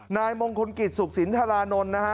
นายมงคลกิจสุขสินธรานนท์นะฮะ